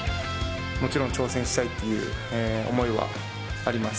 もちろん挑戦したいっていう思いはあります。